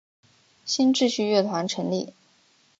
新秩序乐团成立。